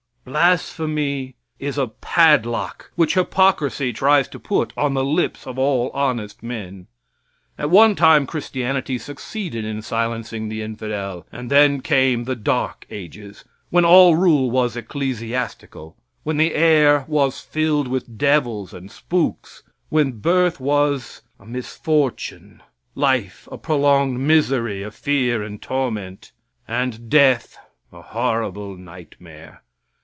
Blasphemy is a padlock which hypocrisy tries to put on the lips of all honest men. At one time Christianity succeeded in silencing the infidel, and then came the dark ages, when all rule was ecclesiastical, when the air was filled with devils and spooks, when birth was a misfortune, life a prolonged misery of fear and torment, and death a horrible nightmare.